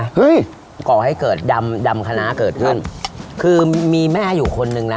เฮ้ยก่อให้เกิดดำดำคณะเกิดขึ้นคือมีแม่อยู่คนนึงนะ